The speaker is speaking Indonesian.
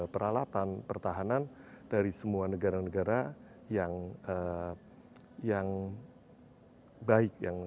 peralatan pertahanan dari semua negara negara yang baik yang